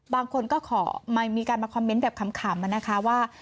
บางคนก็ขอมีการคอมเม้นท์แบบขำว่า